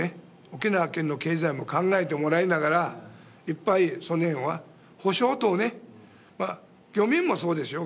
沖縄県の経済も考えてもらいながらいっぱいその辺は保障等ねまあ漁民もそうですよ